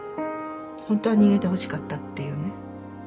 本当は逃げてほしかったっていうね。